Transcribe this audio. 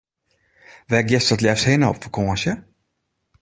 Wêr giest it leafst hinne op fakânsje?